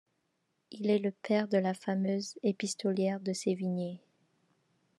Il est le père de la fameuse épistolière de Sévigné.